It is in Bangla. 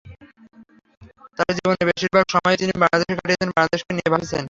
তাঁর জীবনের বেশির ভাগ সময়ই তিনি বাংলাদেশে কাটিয়েছেন, বাংলাদেশকে নিয়ে ভেবেছেন।